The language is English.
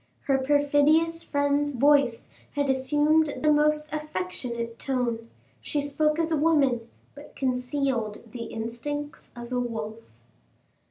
Her perfidious friend's voice had assumed the most affectionate tone; she spoke as a woman, but concealed the instincts of a wolf.